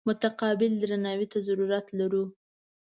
متقابل درناوي ته ضرورت لرو.